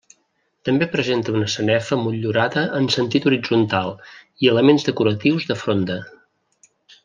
També presenta una sanefa motllurada en sentint horitzontal i elements decoratius de fronda.